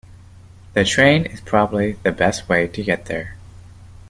The train is probably the best way to get there.